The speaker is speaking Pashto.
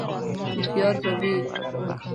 _هوښيار به وي؟